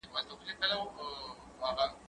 زه اجازه لرم چي سیر وکړم؟